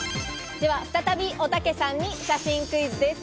では再び、おたけさんに写真クイズです。